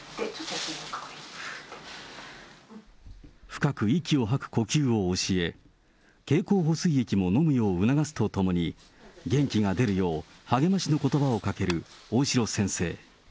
深く息を吐く呼吸を教え、経口補水液を飲むよう促すとともに、元気が出るよう、励ましのことばをかける大城先生。